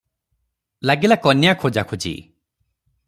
ଲାଗିଲା କନ୍ୟା ଖୋଜାଖୋଜି ।